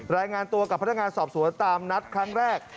รายงานตัวกับพนักงานสอบสวนตามนัดครั้งแรก